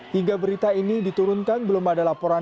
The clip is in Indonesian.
hingga berita ini diturunkan belum adalah pembahasan